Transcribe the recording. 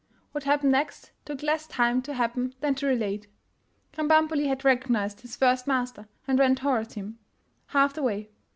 What happened next took less time to happen than to relate. Krambambuli had recognized his first master, and ran toward him — half the way.